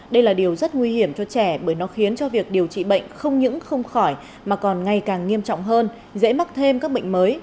đây là điều rất nguy hiểm cho trẻ bởi nó khiến cho việc điều trị bệnh không những không khỏi mà còn ngày càng nghiêm trọng hơn dễ mắc thêm các bệnh mới